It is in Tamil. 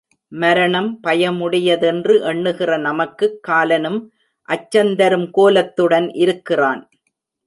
மரணம் பயமுடையதென்று எண்ணுகிற நமக்குக் காலனும் அச்சந்தரும் கோலத்துடன் இருக்கிறான்.